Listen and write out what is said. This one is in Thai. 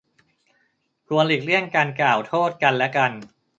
ควรหลีกเลี่ยงการกล่าวโทษกันและกัน